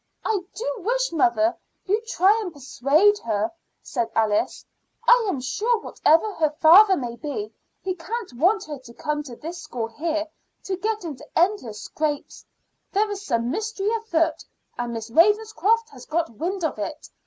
"I do wish, mother, you'd try and persuade her," said Alice. "I am sure, whatever her father may be, he can't want her to come to school here to get into endless scrapes. There is some mystery afoot, and Miss Ravenscroft has got wind of it.